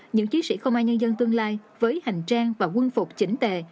những chiến sĩ công an nhân dân tương lai với hành trang và quân phục chỉnh tề